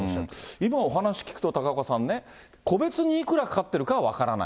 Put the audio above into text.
今、お話聞くと、高岡さんね、個別にいくらかかっているかは分からない。